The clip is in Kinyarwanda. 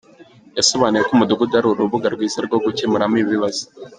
Yasobanuye ko umudugudu ari urubuga rwiza rwo gukemuriramo ibibazo.